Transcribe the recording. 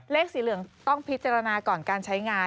สีเหลืองต้องพิจารณาก่อนการใช้งาน